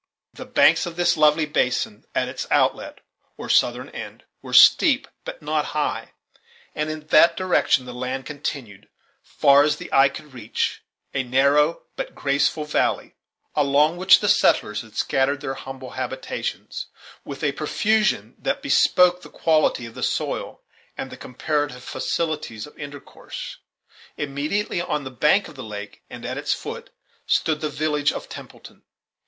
The banks of this lovely basin, at its outlet, or southern end, were steep, but not high; and in that direction the land continued, far as the eye could reach, a narrow but graceful valley, along which the settlers had scattered their humble habitations, with a profusion that bespoke the quality of the soil and the comparative facilities of intercourse, Immediately on the bank of the lake and at its foot, stood the village of Templeton.